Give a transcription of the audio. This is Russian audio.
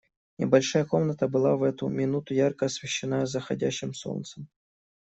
Небольшая комната была в эту минуту ярко освещена заходящим солнцем.